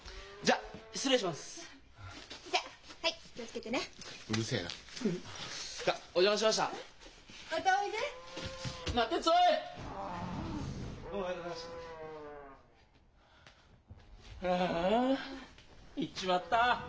ああ行っちまった。